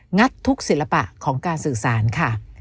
งัดทุกศิลปะของการสื่อสารค่ะ